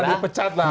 tadi pecat lah